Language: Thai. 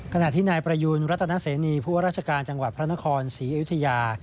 ขณะที่นายประยูนรัตนเสนีผู้ว่าราชการจังหวัดพระนครศรีอยุธยา